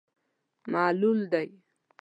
معلول دی.